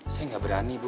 saya gak berani bu